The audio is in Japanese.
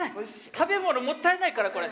食べ物もったいないからこれ。